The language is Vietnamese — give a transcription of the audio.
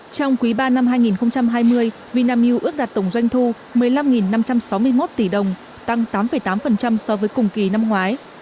trong quý ba năm hai nghìn hai mươi vinamilk ước đạt tổng doanh thu một mươi năm năm trăm sáu mươi một tỷ đồng tăng tám tám so với cùng kỳ năm ngoái